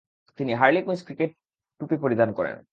তিনি Harlequins cricket টুপি পরিধান করেন।